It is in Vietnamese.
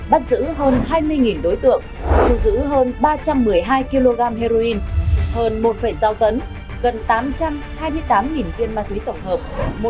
bắt giữ hơn hai mươi đối tượng thu giữ hơn ba trăm một mươi hai kg heroin hơn một sáu tấn gần tám trăm hai mươi tám viên ma túy tổng hợp